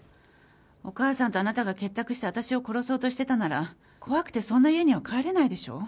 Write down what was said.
お義母さんとあなたが結託して私を殺そうとしてたなら怖くてそんな家には帰れないでしょう。